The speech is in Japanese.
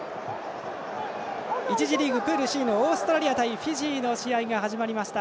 １次リーグ、プールＣのオーストラリアとフィジーの試合が始まりました。